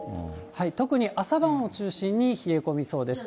特に朝晩を中心に冷え込みそうです。